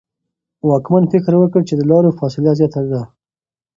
واکمن فکر وکړ چې د لارو فاصله زیاته ده.